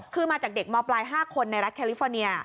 คือมาจากเด็กมปลาย๕คนในรัฐแคลิฟอร์เนีย